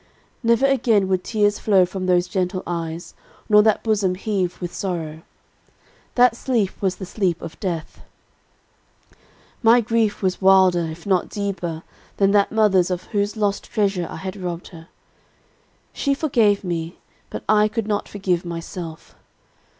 Never again would tears flow from those gentle eyes, nor that bosom heave with sorrow. That sleep was the sleep of death! "My grief was wilder, if not deeper, than that mother's of whose lost treasure I had robbed her. She forgave me; but I could not forgive myself.